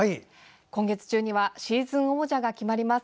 今月中にはシーズン王者が決まります。